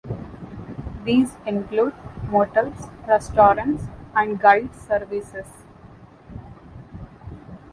These include motels, restaurants, and guide services.